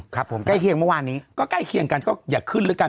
ครับผมใกล้เคียงเมื่อวานนี้ก็ใกล้เคียงกันก็อย่าขึ้นแล้วกัน